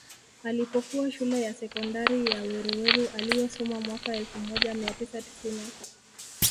Alipokuwa Shule ya Sekondari ya Weruweru aliyosoma mwaka elfu moja mia tisa tisini